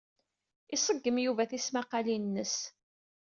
Iṣeggem Yuba tismaqqalin-nnes.